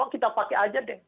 kita pakai aja deh